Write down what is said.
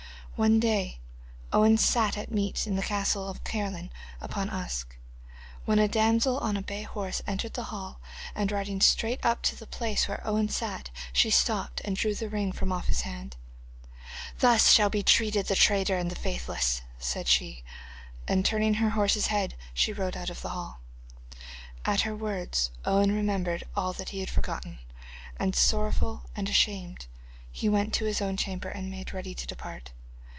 One day Owen sat at meat in the castle of Caerleon upon Usk, when a damsel on a bay horse entered the hall, and riding straight up to the place where Owen sat she stooped and drew the ring from off his hand. 'Thus shall be treated the traitor and the faithless,' said she, and turning her horse's head she rode out of the hall. At her words Owen remembered all that he had forgotten, and sorrowful and ashamed he went to his own chamber and made ready to depart.